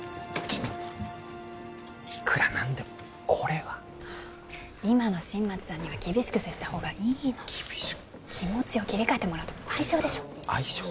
ちょっといくらなんでもこれは今の新町さんには厳しく接した方がいいの気持ちを切り替えてもらうための愛情でしょ愛情？